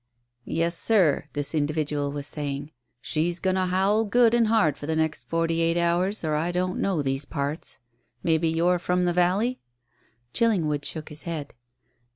"Yes, sir," this individual was saying, "she's goin' to howl good and hard for the next forty eight hours, or I don't know these parts. Maybe you're from the valley?" Chillingwood shook his head.